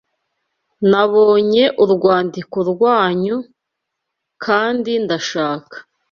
Nabonye urwandiko rwanyu, kandi ndashaka